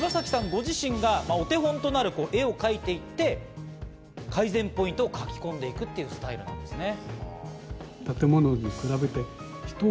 ご自身が、お手本となる絵を描いていって、改善ポイントを描き込んでいくというスタイルなんですね。